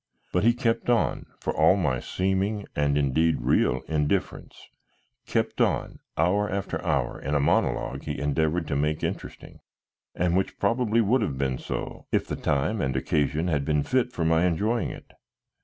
But he kept on for all my seeming, and indeed real, indifference, kept on hour after hour in a monologue he endeavored to make interesting, and which probably would have been so if the time and occasion had been fit for my enjoying it.